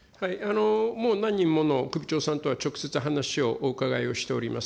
もう何人もの首長さんとは直接話を、お伺いをしております。